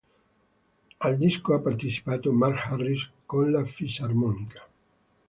Al disco ha partecipato Mark Harris con la fisarmonica.